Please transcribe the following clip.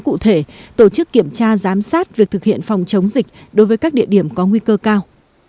cụ thể tổ chức kiểm tra giám sát việc thực hiện phòng chống dịch đối với các địa điểm có nguy cơ cao